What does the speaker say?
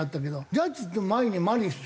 ジャッジの前にマリスでしょ。